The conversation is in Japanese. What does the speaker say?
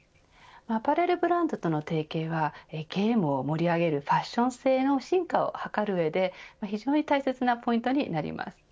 アパレルブランドとの提携はゲームを盛り上げるファッション性の進化をはかる上で非常に大切なポイントになります。